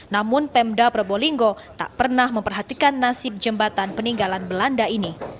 namun pemda probolinggo tak pernah memperhatikan nasib jembatan peninggalan belanda ini